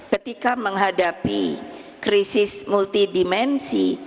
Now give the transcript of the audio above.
ketika menghadapi krisis multidimensi